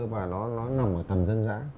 và nó nằm ở tầm dân dã